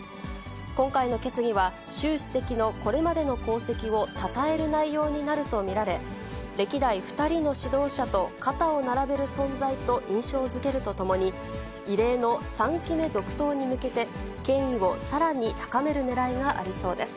今回の決議は、習主席のこれまでの功績をたたえる内容になると見られ、歴代２人の指導者と肩を並べる存在と印象づけるとともに、異例の３期目続投に向けて、権威をさらに高めるねらいがありそうです。